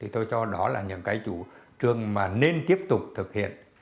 tôi cho đó là những cái chủ trương mà nên tiếp tục thực hiện